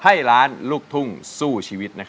ให้ล้านลูกทุ่งสู้ชีวิต